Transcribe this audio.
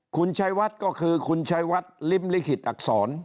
คุณชัยวัดก็คือคุณชัยวัดลิ้มลิขิตอักษร